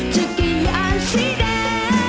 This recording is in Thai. จะกี่อย่างสีแดง